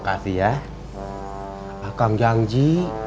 mak ici rawos jadi gak ada marawi